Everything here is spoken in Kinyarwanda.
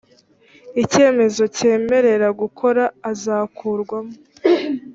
icyemezo cyemerera gukora azakurwamo